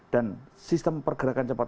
dan sistem pergerakan cepat